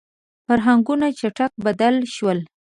• فرهنګونه چټک بدل شول.